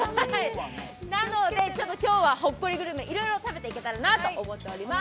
なので、今日はほっこりグルメ、いろいろ食べていけたらなと思っております。